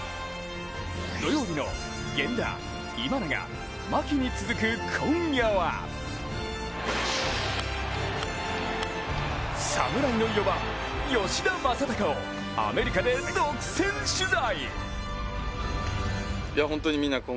土曜日の源田、今永、牧に続く今夜は侍の４番・吉田正尚をアメリカで独占取材。